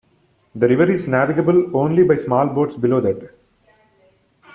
The river is navigable only by small boats below that.